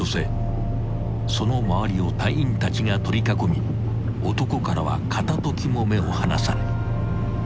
［その周りを隊員たちが取り囲み男からは片時も目を離さない］